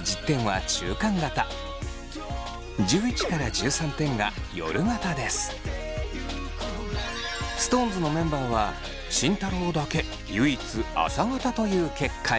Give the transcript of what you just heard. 合計点がＳｉｘＴＯＮＥＳのメンバーは慎太郎だけ唯一朝型という結果に。